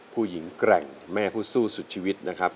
ผู้หญิงแกร่งแม่ผู้สู้สู่ชีวิตนะครับ